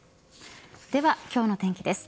では、今日の天気です。